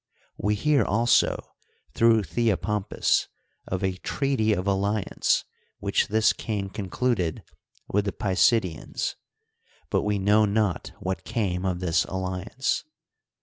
We hear also, through Theo pompus, of a treaty of alliance which this king concluded with the Pisidians, but we know hot what came of this al liance.